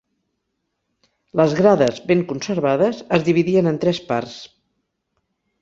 Les grades, ben conservades, es dividien en tres parts.